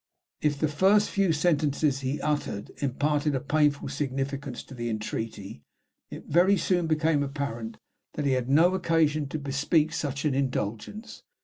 If the first few sentences he uttered imparted a painful significance to the entreaty, it very soon became apparent that he had no occasion to bespeak such indulgence.